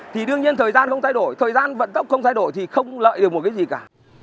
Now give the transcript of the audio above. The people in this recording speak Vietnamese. thì đương nhiên thời gian không thay đổi thời gian vận tốc không thay đổi thì không lợi được một cái gì cả